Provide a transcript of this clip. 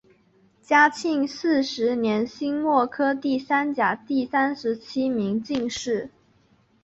嘉靖四十年辛未科第三甲第三十七名进士。